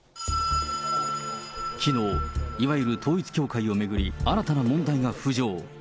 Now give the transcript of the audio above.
きのう、いわゆる統一教会を巡り、新たな問題が浮上。